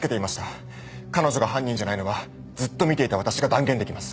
彼女が犯人じゃないのはずっと見ていた私が断言できます。